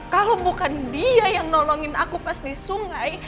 kalau bukan dia yang nolongin aku pas di sungai